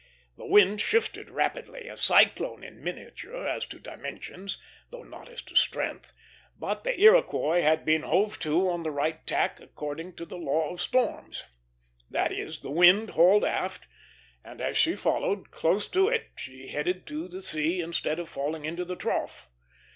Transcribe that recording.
The wind shifted rapidly, a cyclone in miniature as to dimensions, though not as to strength; but the Iroquois had been hove to on the right tack according to the law of storms. That is, the wind hauled aft; and as she followed, close to it, she headed to the sea instead of falling into the trough.